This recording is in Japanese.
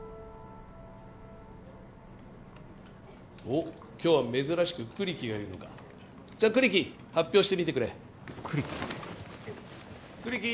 ・おっ今日は珍しく栗木がいるのかじゃあ栗木発表してみてくれ栗木？